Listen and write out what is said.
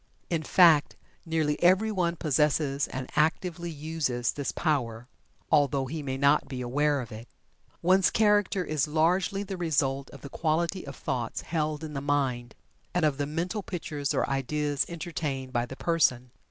In fact, nearly everyone possesses and actively uses this power, although he may not be aware of it. One's character is largely the result of the quality of thoughts held in the mind, and of the mental pictures or ideals entertained by the person.